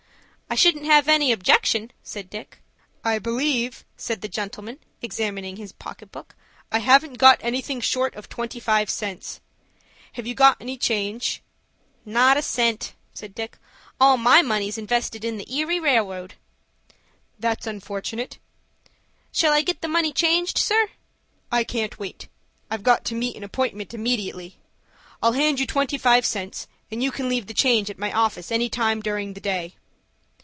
"I shouldn't have any objection," said Dick. "I believe," said the gentleman, examining his pocket book, "I haven't got anything short of twenty five cents. Have you got any change?" "Not a cent," said Dick. "All my money's invested in the Erie Railroad." "That's unfortunate." "Shall I get the money changed, sir?" "I can't wait; I've got to meet an appointment immediately. I'll hand you twenty five cents, and you can leave the change at my office any time during the day."